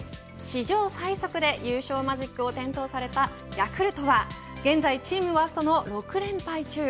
史上最速で優勝マジックを点灯させたヤクルトは現在チームワーストの６連敗中。